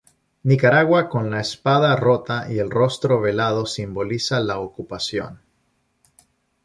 Nicaragua con la espada rota y el rostro velado simboliza la ocupación.